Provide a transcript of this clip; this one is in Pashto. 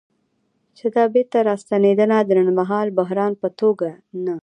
چې دا بیرته راستنېدنه د لنډمهاله بحران په توګه نه